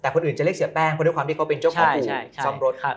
หรือจะเรียกเสียแป้งเพราะที่เขาเป็นเจ้าของหูซอมรถ